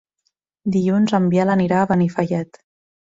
Dilluns en Biel anirà a Benifallet.